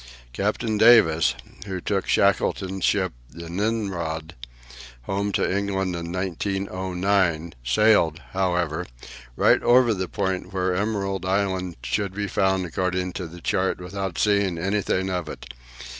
Captain Davis, who took Shackleton's ship, the Nimrod, home to England in 1909, sailed, however, right over the point where Emerald Island should be found according to the chart without seeing anything of it.